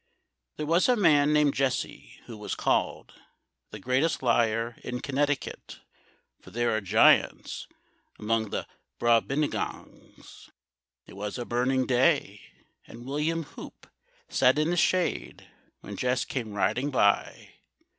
There was a man named Jesse, who was called The greatest liar in Connecticut. For there are giants among the Brobdingnags. It was a burning day, and William Hoop Sat in the shade, when Jess came riding by.